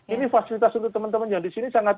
ini fasilitas untuk teman teman yang disini sangat